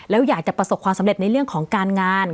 แล้วอยากจะประสบความสำเร็จในเรื่องของการงาน